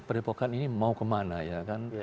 pak depokan ini mau kemana ya kan